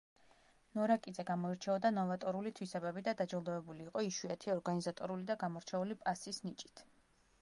ნორაკიძე გამოირჩეოდა ნოვატორული თვისებებით და დაჯილდოებული იყო იშვიათი ორგანიზატორული და გამორჩეული პასის ნიჭით.